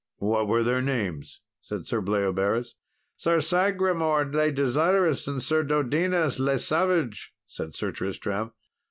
"What were their names?" said Sir Bleoberis. "Sir Sagramour le Desirous and Sir Dodinas le Savage," said Sir Tristram.